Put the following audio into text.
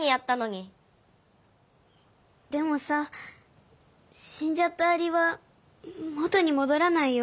でもさしんじゃったアリは元にもどらないよ。